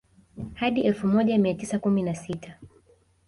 Hadi elfu moja mia tisa kumi na sita